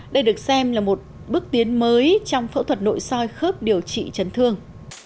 đây được xem là một bước tiến mới trong phẫu thuật nội soi khớp điều trị chấn thương